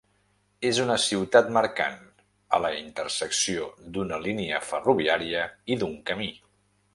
És una ciutat mercant, a la intersecció d'una línia ferroviària i d'un camí.